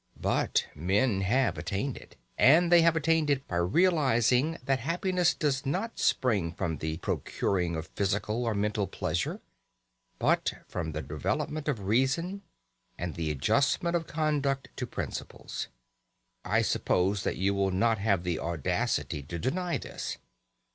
But men have attained it. And they have attained it by realising that happiness does not spring from the procuring of physical or mental pleasure, but from the development of reason and the adjustment of conduct to principles. I suppose that you will not have the audacity to deny this.